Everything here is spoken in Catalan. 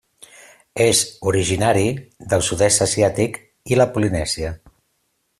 És originari del sud-est asiàtic i la Polinèsia.